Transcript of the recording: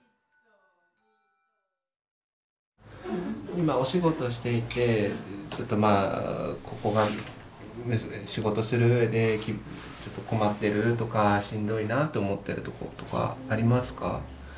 今お仕事していてちょっとまあここが仕事する上で困ってるとかしんどいなと思ってるとことかありますか？